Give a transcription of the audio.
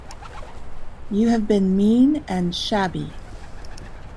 You have been mean and shabby.